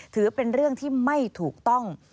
ถือเป็นเรื่องที่ไม่ถูกต้อง